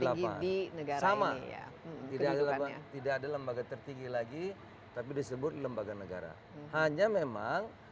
delapan negara sama tidak ada lembaga tertinggi lagi tapi disebut lembaga negara hanya memang